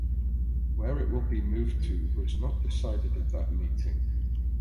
Where it will be moved to was not decided at that meeting.